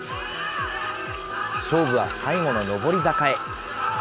勝負は最後の上り坂へ。